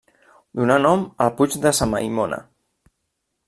Donà nom al puig de Sa Maimona.